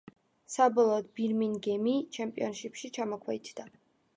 საბოლოოდ „ბირმინგემი“ ჩემპიონშიფში ჩამოქვეითდა.